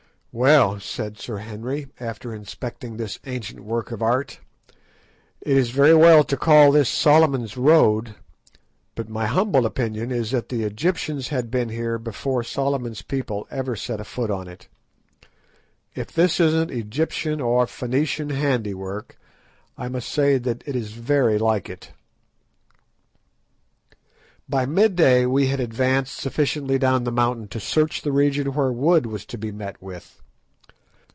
"Well," said Sir Henry, after inspecting this ancient work of art, "it is very well to call this Solomon's Road, but my humble opinion is that the Egyptians had been here before Solomon's people ever set a foot on it. If this isn't Egyptian or Phoenician handiwork, I must say that it is very like it." By midday we had advanced sufficiently down the mountain to search the region where wood was to be met with.